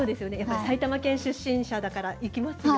埼玉県出身者だから行きますよね。